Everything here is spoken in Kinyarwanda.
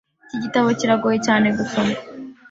Iki gitabo kiragoye cyane gusoma.